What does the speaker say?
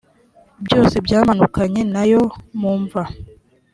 f byose byamanukanye na yo mu mva